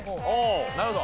なるほど。